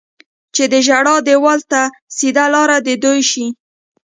چې د ژړا دېوال ته سیده لاره د دوی شي.